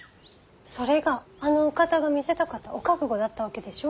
それがあのお方が見せたかったお覚悟だったわけでしょ。